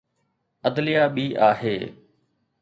عدليه ٻي آهي.